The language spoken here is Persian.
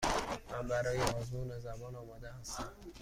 من برای آزمون زبان آماده هستم.